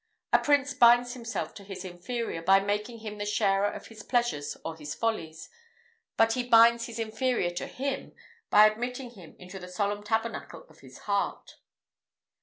A prince binds himself to his inferior, by making him the sharer of his pleasures or his follies; but he binds his inferior to him by admitting him into the solemn tabernacle of the heart.